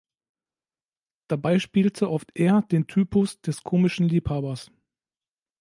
Dabei spielte oft er den Typus des komischen Liebhabers.